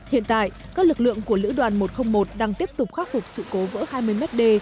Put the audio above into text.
hiện tại các lực lượng của lữ đoàn một trăm linh một đang tiếp tục khắc phục sự cố vỡ hai mươi m đê